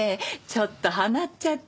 ちょっとはまっちゃって。